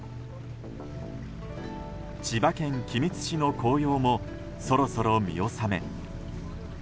千葉県君津市の紅葉もそろそろ見納め。